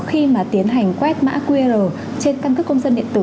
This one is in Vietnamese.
khi mà tiến hành quét mã qr trên căn cước công dân điện tử